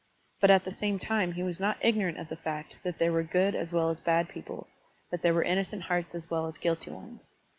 But at the same time he was not ignorant of the fact that there were good as well as bad people, that there were innocent hearts as well as guilty ones.